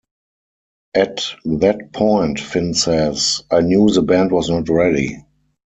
"At that point," Finn says, "I knew the band was not ready.